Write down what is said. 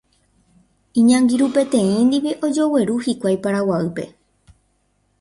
Iñangirũ peteĩ ndive ojogueru hikuái Paraguaýpe.